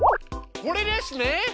これですね！